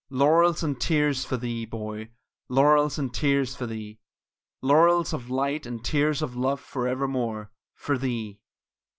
Laurels and tears for thee, boy, Laurels and tears for thee Laurels of light and tears of love forever more For thee!